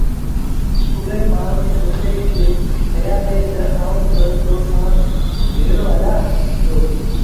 اُئي مآڻهوٚٚݩ ڇوڪري کي ڪهيآݩدي تا آئوݩ با تو سآݩ ڀيڙو هلآݩ دو